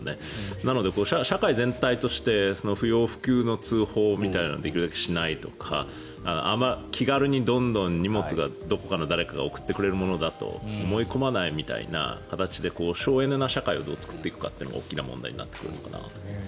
なので、社会全体として不要不急の通報みたいなものをできるだけしないとか気軽にどんどん荷物がどこかの誰かが送ってくれるものだと思い込まないみたいな形で省エネな社会をどう作っていくかっていうことが大きな問題になっていくかなと思います。